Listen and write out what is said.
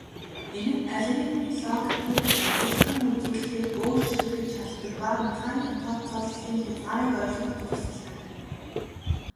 Энэ нь алгоритмын логикийг адилхан үзүүлэхээр өөрчлөгдөж чаддаг ба механик тооцооллын хязгаарыг ойлгоход тусалдаг.